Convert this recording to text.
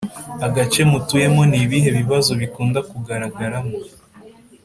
agace mutuyemo ni ibihe bibazo bikunda kugaragaramo